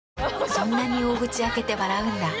そんなに大口開けて笑うんだ。